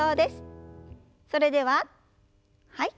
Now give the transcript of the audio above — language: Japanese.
それでははい。